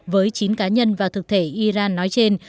với chín cá nhân và thực thể iran nói trên